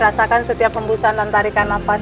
rasakan setiap hembusan dan tarikan nafas